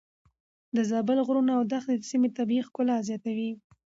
د زابل غرونه او دښتې د سيمې طبيعي ښکلا زياتوي.